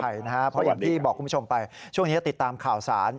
เพราะอย่างที่บอกคุณผู้ชมไปช่วงนี้ติดตามข่าวสาร